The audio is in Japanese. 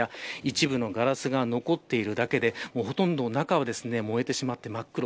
一部のガラスが残っているだけでほとんど中は燃えてしまって真っ黒。